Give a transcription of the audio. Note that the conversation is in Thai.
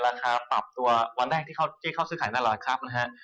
ราคาปรับตัววันแรกที่เขาซื้อขายนั่นแหละครับนะฮะ